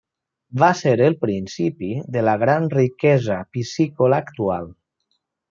Va ser el principi de la gran riquesa piscícola actual.